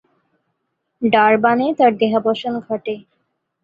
ডারবানে তার দেহাবসান ঘটে।